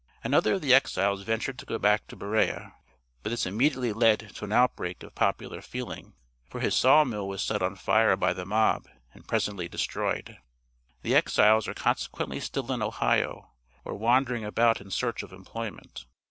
Another of the exiles ventured to go back to Berea, but this immediately led to an outbreak of popular feeling, for his saw mill was set on fire by the mob, and presently destroyed. The exiles are consequently still in Ohio, or wandering about in search of employment.